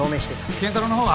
賢太郎のほうは？